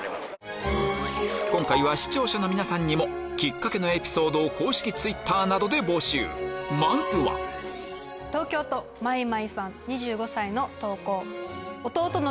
今回は視聴者の皆さんにもキッカケのエピソードを公式Ｔｗｉｔｔｅｒなどで募集まずはすごいな！